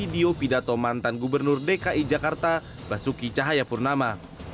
ini adalah tuduhan pemotongan video pidato mantan gubernur dki jakarta basuki cahayapurnama